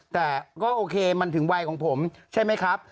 แต่ก็โอเคมันถึงวัยของผมใช่ไหมครับ